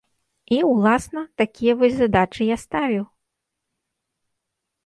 І, уласна, такія вось задачы я ставіў.